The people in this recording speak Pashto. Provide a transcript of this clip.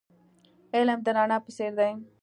علم د رڼا په څیر دی .